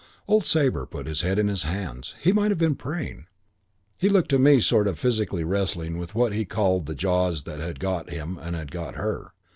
"Old Sabre put his head in his hands. He might have been praying. He looked to me sort of physically wrestling with what he called the jaws that had got him and had got her.